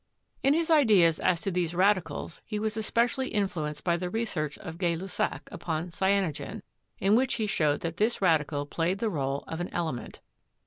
In his ideas as to these radicals he was especially influ enced by the research of Gay Lussac upon cyanogen, in which he showed that this radical played the role of an element.